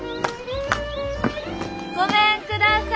ごめんください。